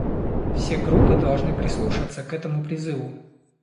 Все группы должны прислушаться к этому призыву.